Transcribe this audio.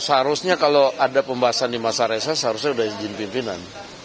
seharusnya kalau ada pembahasan di masa reses harusnya sudah izin pimpinan